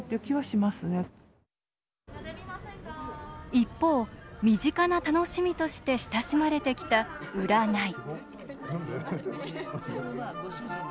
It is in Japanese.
一方、身近な楽しみとして親しまれてきた、占い。